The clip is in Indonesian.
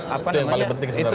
itu yang paling penting sebenarnya